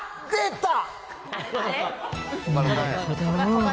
なるほど。